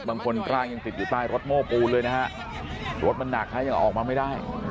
ร่างยังติดอยู่ใต้รถโม้ปูนเลยนะฮะรถมันหนักฮะยังออกมาไม่ได้